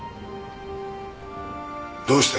どうした？